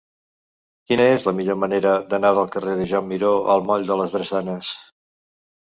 Quina és la millor manera d'anar del carrer de Joan Miró al moll de les Drassanes?